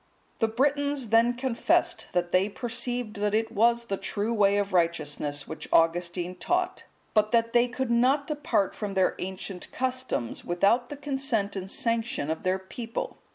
The Britons then confessed that they perceived that it was the true way of righteousness which Augustine taught; but that they could not depart from their ancient customs without the consent and sanction of their people.